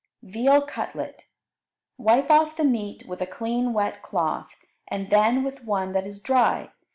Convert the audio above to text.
Veal Cutlet Wipe off the meat with a clean wet cloth, and then with one that is dry.